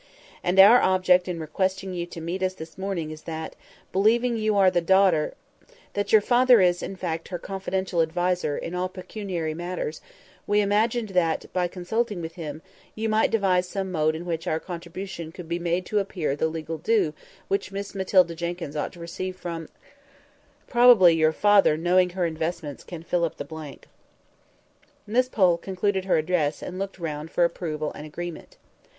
And our object in requesting you to meet us this morning is that, believing you are the daughter—that your father is, in fact, her confidential adviser, in all pecuniary matters, we imagined that, by consulting with him, you might devise some mode in which our contribution could be made to appear the legal due which Miss Matilda Jenkyns ought to receive from— Probably your father, knowing her investments, can fill up the blank." Miss Pole concluded her address, and looked round for approval and agreement.